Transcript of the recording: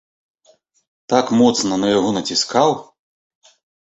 Так моцна на яго націскаў.